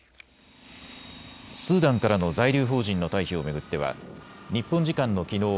スーダンからの在留邦人の退避を巡っては日本時間のきのう